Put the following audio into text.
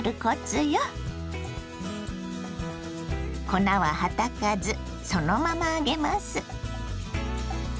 粉ははたかずそのまま揚げます。